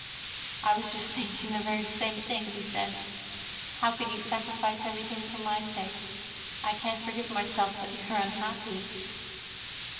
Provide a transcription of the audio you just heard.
"I was just thinking the very same thing," he said; "how could you sacrifice everything for my sake? I can't forgive myself that you're unhappy!"